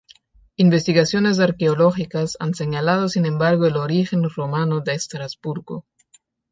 Investigaciones arqueológicas han señalado sin embargo el origen romano de Estrasburgo.